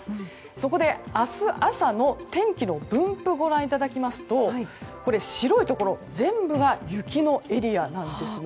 そこで、明日朝の天気の分布をご覧いただきますと白いところ全部が雪のエリアなんですね。